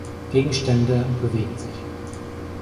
Gegenstände bewegen sich.